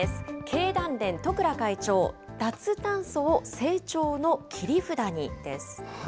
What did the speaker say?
経団連、十倉会長、脱炭素を成長の切り札にです。